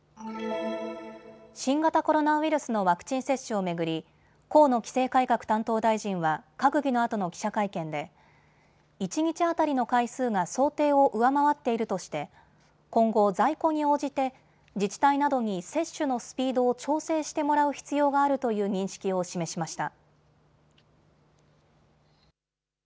新型コロナウイルスのワクチン接種を巡り河野規制改革担当大臣は閣議のあとの記者会見で一日当たりの回数が想定を上回っているとして今後、在庫に応じて自治体などに接種のスピードを調整してもらう必要があるという認識を示しました。